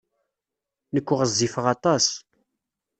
Nekk ɣezzifeɣ aṭas.